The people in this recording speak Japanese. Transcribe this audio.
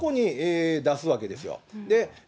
そこに出すわけですよ。